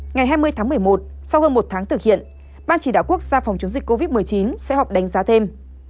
ngày hai mươi tháng một mươi một sau hơn một tháng thực hiện ban chỉ đạo quốc gia phòng chống dịch covid một mươi chín sẽ họp đánh giá thêm